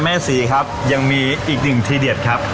แม่ศรีครับยังมีอีกหนึ่งทีเด็ดครับ